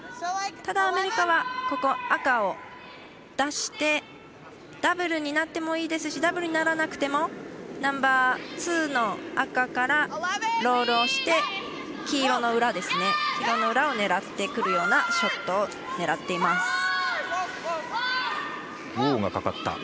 ただ、アメリカは赤を出してダブルになってもいいですしダブルにならなくてもナンバーツーの赤からロールをして黄色の裏を狙ってくるようなショットを狙っています。